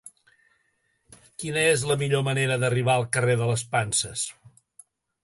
Quina és la millor manera d'arribar al carrer de les Panses?